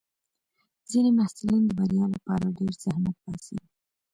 ځینې محصلین د بریا لپاره ډېر زحمت باسي.